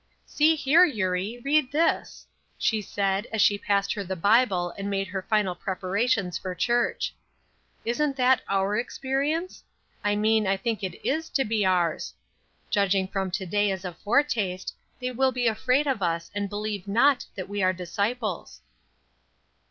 "See here, Eurie, read this," she said, as she passed her the Bible and made her final preparations for church. "Isn't that our experience? I mean I think it is to be ours. Judging from to day as a foretaste, they will be afraid of us and believe not that we are disciples."